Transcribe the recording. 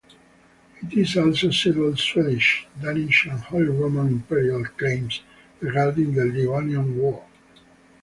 It also settled Swedish, Danish and Holy Roman Imperial claims regarding the Livonian War.